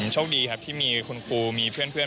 โชคดีครับที่มีคุณครูมีเพื่อน